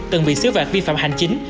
từng bị xứ vạt vi phạm hành chính